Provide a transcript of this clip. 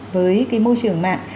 với cái môi trường mạng